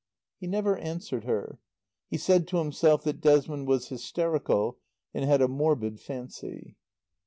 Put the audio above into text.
He never answered her. He said to himself that Desmond was hysterical and had a morbid fancy.